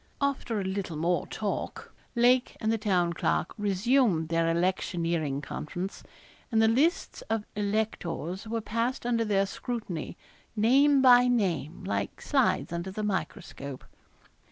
After a little more talk, Lake and the Town Clerk resumed their electioneering conference, and the lists of electors were passed under their scrutiny, name by name, like slides under the miscroscope.